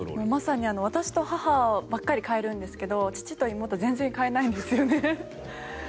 まさに私と母ばっかり替えるんですが父と妹は全然替えないんですよね。